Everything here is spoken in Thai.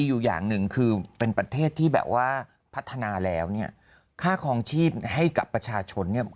อุ๊กกาฟุ้งกาแฟแบบตาบั๊กมันอย่างนี้ถูกมาก